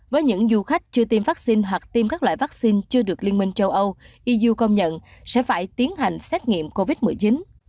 với những du khách chưa tiêm vaccine hoặc tiêm các loại vaccine chưa được liên minh châu âu iuu công nhận sẽ phải tiến hành xét nghiệm covid một mươi chín